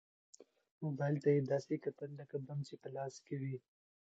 موبايل ته يې داسې کتل لکه بم چې يې په لاس کې وي.